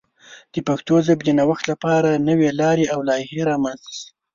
د پښتو ژبې د نوښت لپاره نوې لارې او لایحې رامنځته شي.